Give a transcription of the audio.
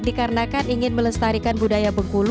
dikarenakan ingin melestarikan budaya bengkulu